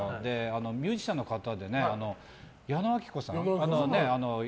ミュージシャンの方で矢野顕子さん。